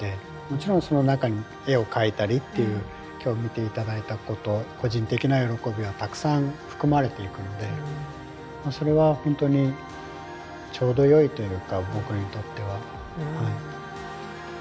もちろんその中に絵を描いたりっていう今日見て頂いたこと個人的な喜びはたくさん含まれていくのでそれはほんとにちょうどよいというか僕にとっては。